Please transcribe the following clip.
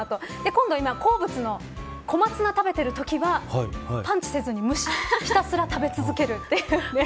今度は好物の小松菜を食べているときはパンチせずに無視ひたすら食べ続けるという。